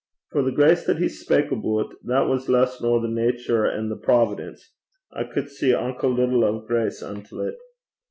For the grace that he spak aboot, that was less nor the nature an' the providence. I cud see unco little o' grace intil 't.'